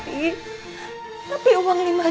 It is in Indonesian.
tapi uang lima juta itu uang besar pak